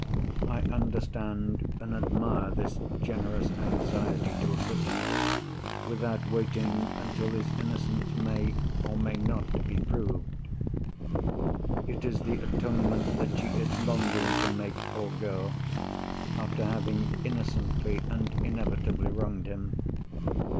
I understand and admire this generous anxiety to acquit him, without waiting until his innocence may, or may not, be proved. It is the atonement that she is longing to make, poor girl, after having innocently and inevitably wronged him.